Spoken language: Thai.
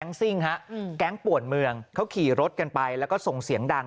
ซิ่งฮะแก๊งป่วนเมืองเขาขี่รถกันไปแล้วก็ส่งเสียงดัง